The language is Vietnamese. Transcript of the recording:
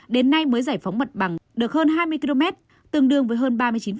đến nay mới giải phóng mặt bằng được hơn hai mươi km tương đương với hơn ba mươi chín